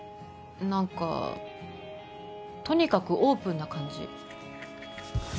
何かとにかくオープンな感じ